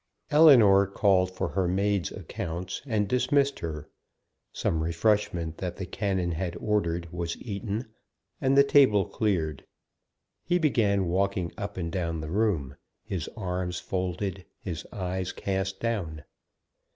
Ellinor called for her maid's accounts, and dismissed her. Some refreshment that the canon had ordered was eaten, and the table cleared. He began walking up and down the room, his arms folded, his eyes cast down.